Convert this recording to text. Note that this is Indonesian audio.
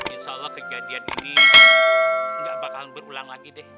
insya allah kejadian ini nggak bakal berulang lagi deh